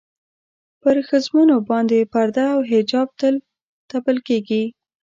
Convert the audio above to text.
پر ښځمنو باندې پرده او حجاب نه تپل کېږي.